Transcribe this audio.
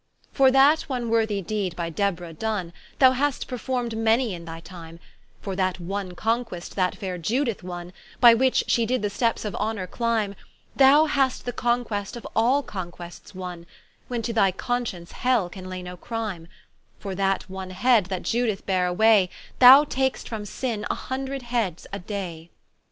For that one worthy deed by Deb'rah done, Thou hast performed many in thy time; For that one Conquest that faire Iudeth wonne, By which she did the steps of honour clime, Thou hast the Conquest of all Conquests wonne, When to thy Conscience Hell can lay no crime: For that one head that Iudeth bare away, Thou tak'st from Sinne a hundred heads a day.